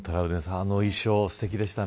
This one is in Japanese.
あの衣装、すてきでしたね。